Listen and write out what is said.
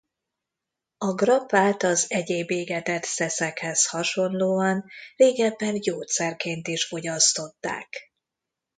A grappát az egyéb égetett szeszekhez hasonlóan régebben gyógyszerként is fogyasztották.